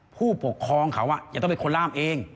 ผู้ปกครองเขาจะต้องเป็นคนล่ามเอง